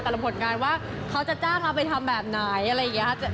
รับผลงานว่าเขาจะจ้างเราไปทำแบบไหนอะไรอย่างนี้